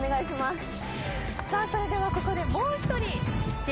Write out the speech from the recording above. さあそれではここでもう一人。